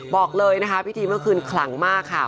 บอกเลยนะคะพิธีเมื่อคืนขลังมากค่ะ